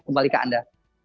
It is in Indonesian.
kembali ke anda